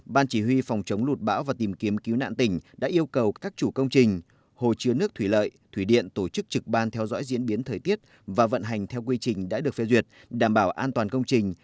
ban chỉ huy phòng chống lụt bão và tìm kiếm cứu nạn tỉnh đã yêu cầu các chủ công trình hồ chứa nước thủy lợi thủy điện tổ chức trực ban theo dõi diễn biến thời tiết và vận hành theo quy trình đã được phê duyệt đảm bảo an toàn công trình